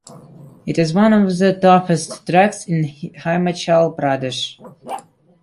It is one of the toughest treks in Himachal Pradesh.